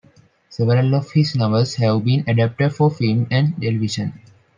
Several of his novels have been adapted for film and television.